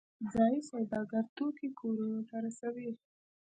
ځایی سوداګر توکي کورونو ته رسوي